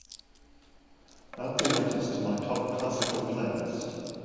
Add the artist to my top classical playlist.